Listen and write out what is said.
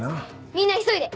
みんな急いで。